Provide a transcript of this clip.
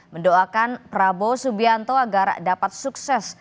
mendoakan prabowo subianto agar dapat sukses